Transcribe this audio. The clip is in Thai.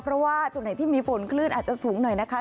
เพราะว่าจุดไหนที่มีฝนคลื่นอาจจะสูงหน่อยนะคะ